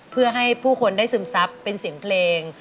เพื่อให้ผู้คนได้ซึมซับเป็นเสียงเพลง